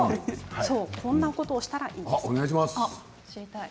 こんなことをしたらいいですよ。